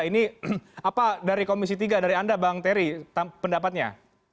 ini apa dari komisi tiga dari anda bang terry pendapatnya